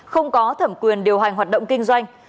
không có thẩm quyền điều hành hoạt động kinh doanh